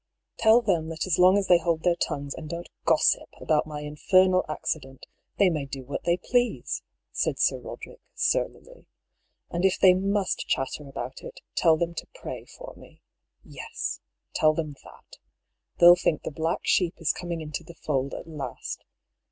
^* Tell them that as long as they hold their tongues and don't gossip about my infernal accident, they may do what they please," said Sir Roderick, surlily. " And if they must chatter about it, tell them to pray for me. 14 DR. PAULL'S THEORY. Yes, tell them that. They'll think the black sheep is coming into the fold at last.